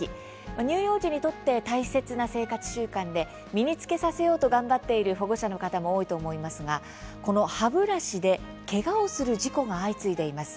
乳幼児にとって大切な生活習慣で身につけさせようと頑張っている保護者の方も多いと思いますが歯ブラシで、けがをする事故が相次いでいます。